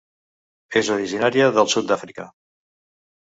És originària del sud d'Àfrica.